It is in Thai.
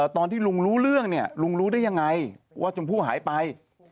ตอนที่ลุงรู้เรื่องเนี่ยลุงรู้ได้ยังไงว่าชมพู่หายไป